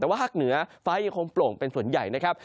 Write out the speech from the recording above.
แต่ว่าภาคเหนือฟ้ายังคงโปร่งเป็นส่วนใหญ่นะครับ